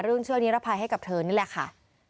เชื่อนิรภัยให้กับเธอนี่แหละค่ะ